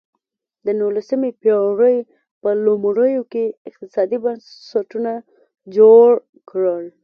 د نولسمې پېړۍ په لومړیو کې اقتصادي بنسټونه جوړ کړل.